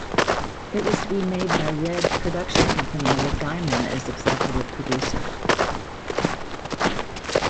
It was to be made by Red Production Company with Gaiman as executive producer.